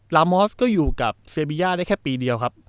อมอสก็อยู่กับเซบีย่าได้แค่ปีเดียวครับ